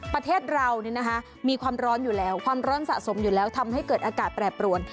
ประเทศเรามีความร้อนอยู่แล้วความร้อนสะสมอยู่แล้วทำให้เกิดอากาศแปรปรวน